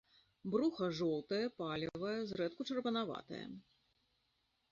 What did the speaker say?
Бруха жоўтае, палевае, зрэдку чырванаватае.